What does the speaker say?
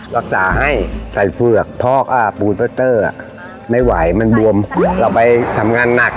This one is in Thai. รักษาให้ใส่เฝือกพอกปูนเตอร์ไม่ไหวมันบวมเราไปทำงานหนัก